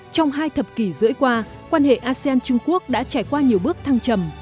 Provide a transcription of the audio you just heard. trong hai thập kỷ rưỡi qua quan hệ asean trung quốc đã trải qua nhiều bước thăng trầm